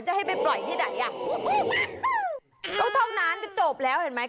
ให้ไปปล่อยที่ไหนอ่ะก็เท่านั้นจะจบแล้วเห็นไหม